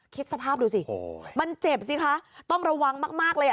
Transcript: คิดสภาพดูสิมันเจ็บสิคะต้องระวังมากเลยอ่ะ